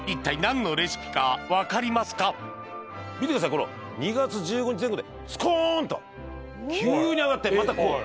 この２月１５日前後でスコーン！と急に上がってまたこうなる。